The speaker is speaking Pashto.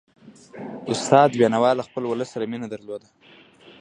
استاد بينوا له خپل ولس سره مینه درلودله.